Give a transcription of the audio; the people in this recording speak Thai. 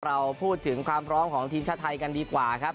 เราพูดถึงความพร้อมของทีมชาติไทยกันดีกว่าครับ